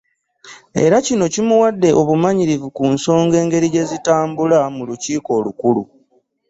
Era kino kimuwadde obumanyirivu ku nsonga engeri gye zitambula mu lukiiiko Olukulu.